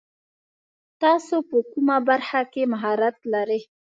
تاسو په کومه برخه کې مهارت لري ؟